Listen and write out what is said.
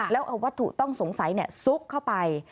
แล้วเอาวัตถุต้องสงสัยซุกเข้าไป